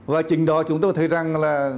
và chính đó chúng tôi thấy rằng là